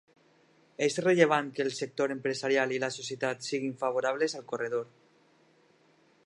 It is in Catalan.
És rellevant que el sector empresarial i la societat siguin favorables al corredor.